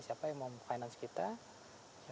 siapa yang mau finance kita